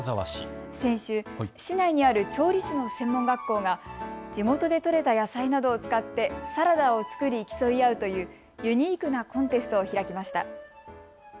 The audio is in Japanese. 先週市内にある調理師の専門学校が地元で取れた野菜などを使ってサラダを作り競い合うというユニークなコンテストを開きました。